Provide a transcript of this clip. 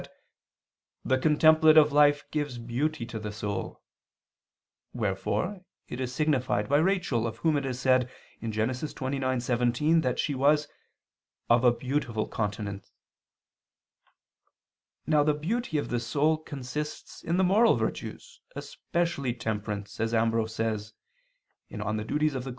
that "the contemplative life gives beauty to the soul," wherefore it is signified by Rachel, of whom it is said (Gen. 29:17) that she was "of a beautiful countenance." Now the beauty of the soul consists in the moral virtues, especially temperance, as Ambrose says (De Offic.